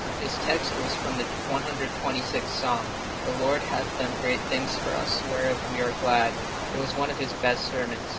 His text was from the 126th Psalm, "The Lord hath done great things for us, whereof we are glad." It was one of his best sermons.